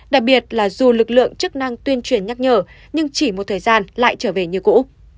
đặc biệt là dù lực lượng chức năng tuyên truyền nhắc nhở nhưng chỉ một thời gian lại trở về như cũ